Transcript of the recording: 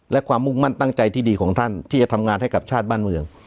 และความมุ่งมั่นตั้งใจที่ดีของท่านที่จะทำงานให้กับชาติบ้านเมือง